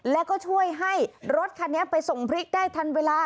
แล้วก็ช่วยให้รถคันนี้ไปส่งพริกได้ทันเวลา